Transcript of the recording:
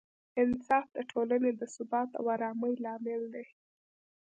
انصاف د ټولنې د ثبات او ارامۍ لامل دی.